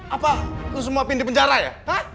apa lu semua pindah penjara ya